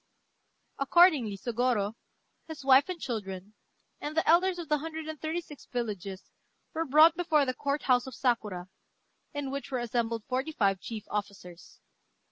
Accordingly Sôgorô, his wife and children, and the elders of the hundred and thirty six villages were brought before the Court house of Sakura, in which were assembled forty five chief officers.